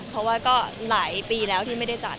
เพราะว่าก็หลายปีแล้วที่ไม่ได้จัด